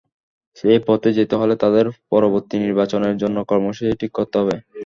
সেই পথে যেতে হলে তাদের পরবর্তী নির্বাচনের জন্য কর্মসূচি ঠিক করতে হবে।